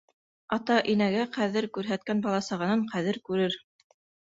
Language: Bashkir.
Ата-инәгә ҡәҙер күрһәткән бала-сағанан ҡәҙер күрер.